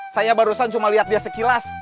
saya barusan cuma lihat dia sekilas